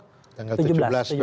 tanggal tujuh belas februari